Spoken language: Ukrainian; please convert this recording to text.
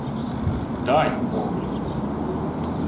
— Дай, мовлю!